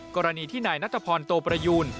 กรณีที่นายนัฏพรณ์โตปรยูล